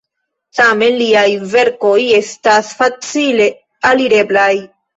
Tamen liaj verkoj estas facile alireblaj.